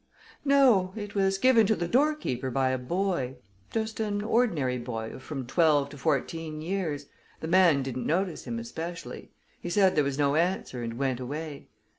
"No. It was given to the door keeper by a boy just an ordinary boy of from twelve to fourteen years the man didn't notice him especially. He said there was no answer and went away.